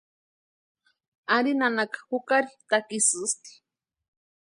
Ari nanaka jukari takisïsti.